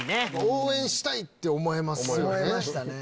応援したいって思えますよね。